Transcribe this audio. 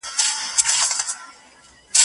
په کیسو ستړی کړې